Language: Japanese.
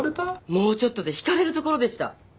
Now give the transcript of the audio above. もうちょっとでひかれるところでした